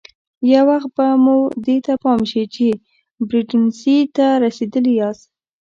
یو وخت به مو دې ته پام شي چې برېنډېسي ته رسېدلي یاست.